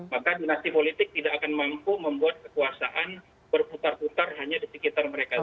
maka dinasti politik tidak akan mampu membuat kekuasaan berputar putar hanya di sekitar mereka saja